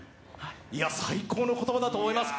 いや、最高の言葉だと思います。